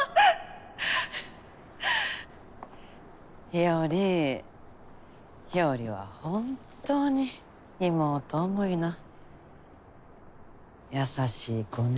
日和日和は本当に妹思いの優しい子ね。